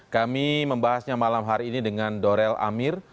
kami membahasnya malam hari ini dengan dorel amir